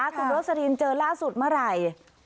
คุณโรสลินเจอล่าสุดเมื่อไหร่